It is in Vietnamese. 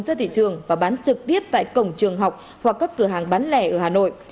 ra thị trường và bán trực tiếp tại cổng trường học hoặc các cửa hàng bán lẻ ở hà nội